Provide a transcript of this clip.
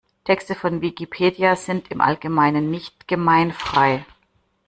Texte von Wikipedia sind im Allgemeinen nicht gemeinfrei.